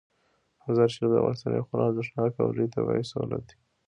مزارشریف د افغانستان یو خورا ارزښتناک او لوی طبعي ثروت دی.